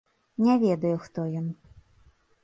Не ведаю, хто ён.